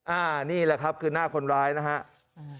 อันนี้แหละครับคือหน้าคนร้ายนะครับ